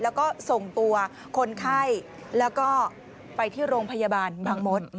แล้วก็ส่งตัวคนไข้แล้วก็ไปที่โรงพยาบาลบางมศ